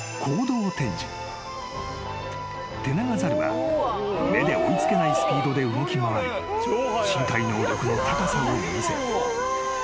［テナガザルは目で追い付けないスピードで動き回り身体能力の高さを見せ］